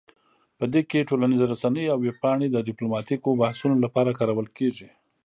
په دې کې ټولنیز رسنۍ او ویب پاڼې د ډیپلوماتیکو بحثونو لپاره کارول کیږي